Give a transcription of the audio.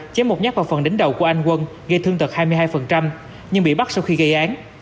chém một nhát vào phần đính đầu của anh quân gây thương tật hai mươi hai nhưng bị bắt sau khi gây án